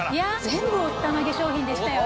全部おったまげ商品でしたよね。